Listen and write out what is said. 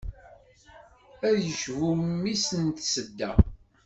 Ad yecbu mmi-s n tsedda.